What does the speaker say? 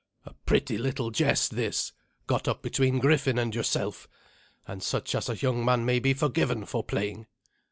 A pretty little jest this, got up between Griffin and yourself, and such as a young man may be forgiven for playing.